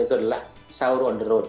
itu adalah sahur on the road